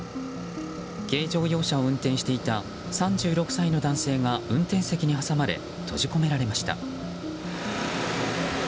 軽乗用車を運転していた３６歳の男性が運転席に挟まれ閉じ込められました。